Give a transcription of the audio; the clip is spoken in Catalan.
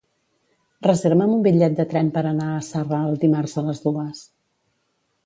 Reserva'm un bitllet de tren per anar a Sarral dimarts a les dues.